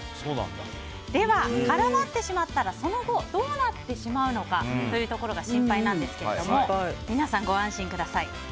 では絡まってしまったらその後どうなってしまうのか心配なんですけれども皆さん、ご安心ください。